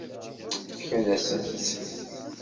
Fkan-asen-tt.